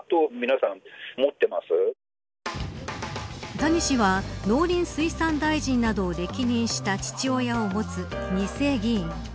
谷氏は農林水産大臣などを歴任した父親を持つ２世議員。